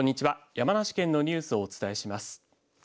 山梨県のニュースをお伝えします。